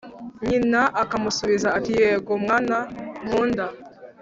nyina akamusubiza ati Yego mwana nkunda